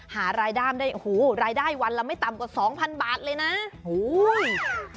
หารายได้โอ้โหรายได้วันละไม่ต่ำกว่าสองพันบาทเลยนะโอ้โห